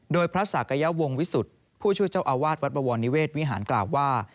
โดยพระศักยวงวิสุทธิ์ผู้ช่วยเจ้าอาวาสวัดบวรนิเวศวิหารกล่าวว่า